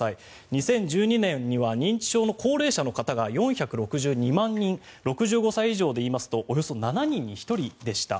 ２０１２年には認知症の高齢者の方が４６２万人６５歳以上でいいますとおよそ７人に１人でした。